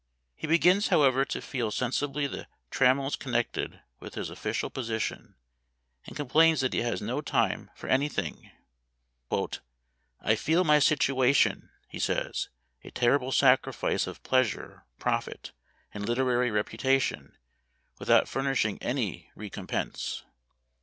He begins, however, to feel sensibly the trammels connected with his official posi tion, and complains that he has no time for any thing. " I feel my situation," he says, " a ter rible sacrifice of pleasure, profit, and literary reputation without furnishing any recompense."